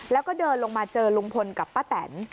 แล้วก็เดินลงมาเจอลุงพลกับป้าแตน